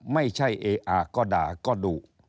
ไม่ใช่เอออาก็ด่าก็ดู